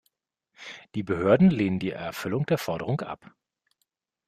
Die Behörden lehnen die Erfüllung der Forderung ab.